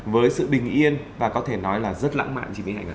với sự bình yên và có thể nói là rất lãng mạn